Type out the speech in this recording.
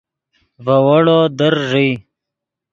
ڤے ویڑو در ݱئے